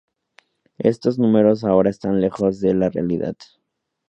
Estos números ahora están lejos de la realidad.